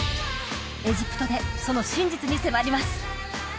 エジプトでその真実に迫ります